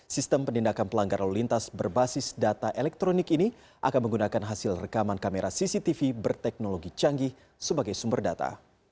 sistem penindakan pelanggar lalu lintas berbasis data elektronik ini akan menggunakan hasil rekaman kamera cctv berteknologi canggih sebagai sumber data